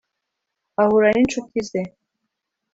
ahura n’inshuti ze.